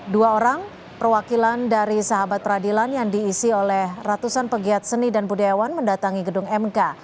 dua orang perwakilan dari sahabat peradilan yang diisi oleh ratusan pegiat seni dan budayawan mendatangi gedung mk